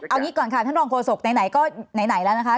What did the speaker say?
เอางี้ก่อนค่ะท่านรองโฆษกไหนก็ไหนแล้วนะคะ